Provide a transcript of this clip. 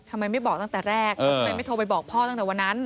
ทำไมไม่บอกตั้งแต่แรกทำไมไม่โทรไปบอกพ่อตั้งแต่วันนั้น